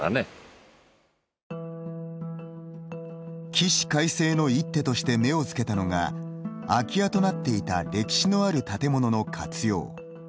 起死回生の一手として目をつけたのが空き家となっていた歴史のある建物の活用。